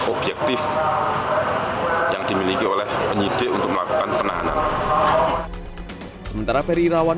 objektif yang dimiliki oleh penyidik untuk melakukan penahanan sementara ferry irawan